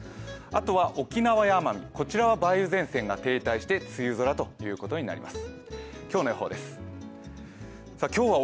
あとは沖縄や奄美、こちらは梅雨前線が停滞して梅雨空になります。